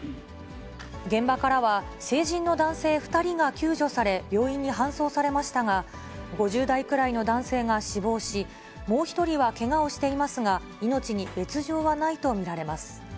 現場からは、成人の男性２人が救助され、病院に搬送されましたが、５０代くらいの男性が死亡し、もう１人はけがをしていますが、命に別状はないと見られます。